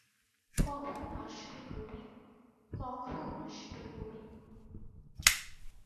আর এই কাজ করতে গিয়েই তাঁরা বিভিন্ন বিপদের সম্মুখীন হয়ে থাকেন।